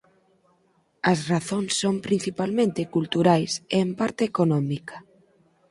As razóns son principalmente culturais e en parte económica.